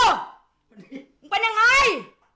มึงเป็นยังไง